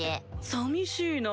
さみしいな。